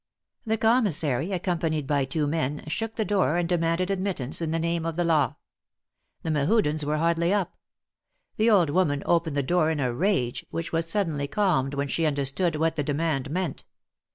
The Commissary, accompanied by two men, shook the door and demanded admittance in the name of the Law. The Mehudens were hardly up. The old woman opened the door in a rage, which was suddenly calmed when she understood what the demand meant.